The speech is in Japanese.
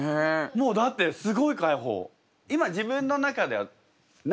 もうだってすごい解放。